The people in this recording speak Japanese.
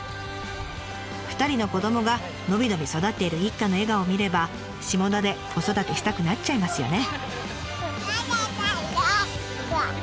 ２人の子どもが伸び伸び育っている一家の笑顔を見れば下田で子育てしたくなっちゃいますよね。